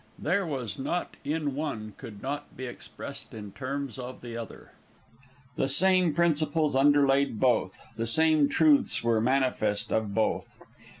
There was naught in one which could not be expressed in terms of the other. The same principles underlaid both; the same truths were manifest of both.